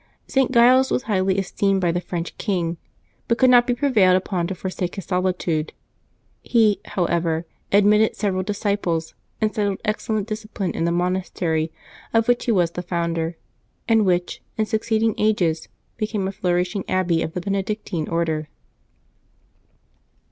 St. Giles was highly es teemed by the French king, but could not be prevailed upon to forsake his solitude. He, however, admitted several disciples, and settled excellent discipline in the monastery of which he was the founder, and which, in succeeding ages, became a flourishing abbey of the Benedictine Order.